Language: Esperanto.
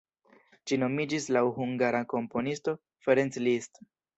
Ĝi nomiĝis laŭ Hungara komponisto, Ferenc Liszt.